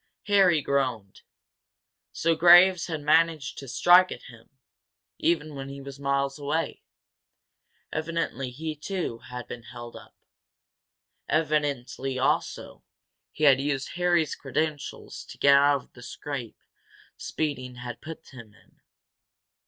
Harry groaned! So Graves had managed to strike at him, even when he was miles away. Evidently he, too, had been held up, evidently, also, he had used Harry's credentials to get out of the scrape speeding had put him in.